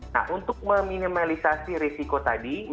nah untuk meminimalisasi risiko tadi